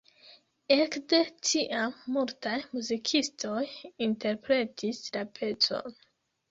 Ekde tiam multaj muzikistoj interpretis la pecon.